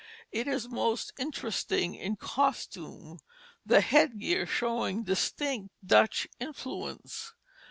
It is most interesting in costume; the head gear showing distinct Dutch influence.